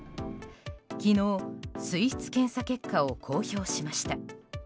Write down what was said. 昨日、水質検査結果を公表しました。